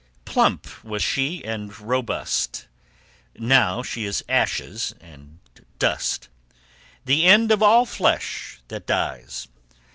Plump was she and robust: Now she is ashes and dust: The end of all flesh that dies.